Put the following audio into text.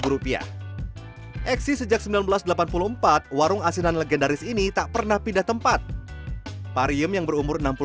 rupiah eksis sejak seribu sembilan ratus delapan puluh empat warung asinan legendaris ini tak pernah pindah tempat pariem yang berumur